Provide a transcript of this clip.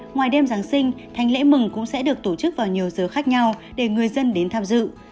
ngoài đêm giáng sinh thanh lễ mừng cũng sẽ được tổ chức vào nhiều giờ khác nhau để người dân đến tham dự